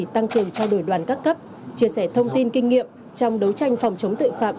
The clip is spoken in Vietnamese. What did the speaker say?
tăng cường trao đổi đoàn các cấp chia sẻ thông tin kinh nghiệm trong đấu tranh phòng chống tội phạm